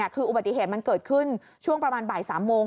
คืออุบัติเหตุมันเกิดขึ้นช่วงประมาณบ่าย๓โมง